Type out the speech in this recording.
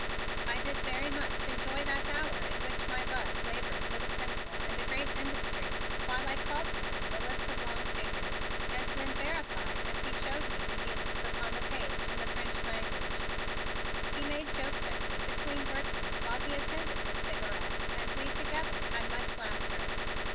I did very much enjoy that hour in which my Buzz labored with a pencil and a great industry while I called to him the list of long figures and then verified as he showed me the units upon the page in the French language. He made jokes at me between workings while he attended his cigarette and we, together, had much laughter.